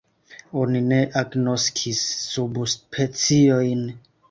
Oni ne agnoskis subspeciojn.